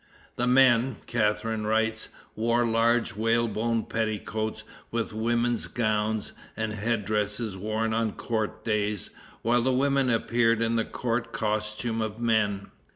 "The men," Catharine writes, "wore large whaleboned petticoats, with women's gowns, and the head dresses worn on court days, while the women appeared in the court costume of men.